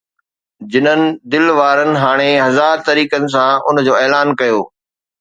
جنن دل وارن هاڻي هزار طريقن سان ان جو اعلان ڪيو